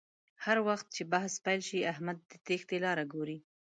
هر وخت چې بحث پیل شي احمد د تېښتې لاره گوري